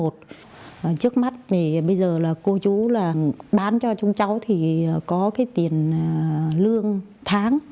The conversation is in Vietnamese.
trước mắt bây giờ cô chú bán cho chúng cháu có tiền lương tháng